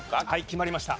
決まりました。